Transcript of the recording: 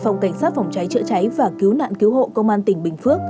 phòng cảnh sát phòng cháy chữa cháy và cứu nạn cứu hộ công an tỉnh bình phước